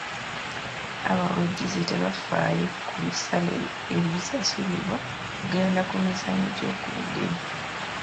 Abawagizi tebafaayo ku bisale ebisasulibwa okugenda ku mizannyo gy'oku bugenyi.